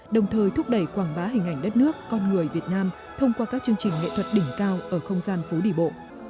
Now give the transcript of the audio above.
đồng thời thúc đẩy quảng bá hình ảnh đất nước con người việt nam thông qua các chương trình nghệ thuật đỉnh cao ở không gian phú đỉ bộ